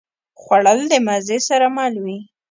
خوړل د مزې سره مل وي